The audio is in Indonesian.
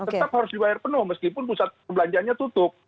tetap harus dibayar penuh meskipun pusat perbelanjaannya tutup